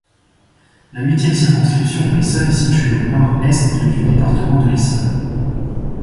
La huitième circonscription de l’Essonne est située au nord-est du département de l’Essonne.